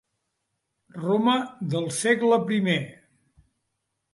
Roma del segle primer.